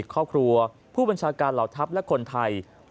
ครอบครัวผู้บัญชาการเหล่าทัพและคนไทย